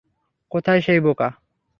কোথায় সেই বোকা?